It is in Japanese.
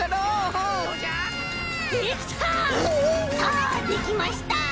さあできました！